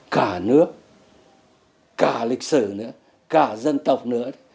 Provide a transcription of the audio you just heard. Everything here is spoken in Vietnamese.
cả nước cả lịch sử nữa cả dân tộc nữa